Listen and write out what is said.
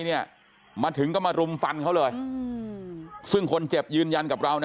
เนี่ยมาถึงก็มารุมฟันเขาเลยซึ่งคนเจ็บยืนยันกับเรานะ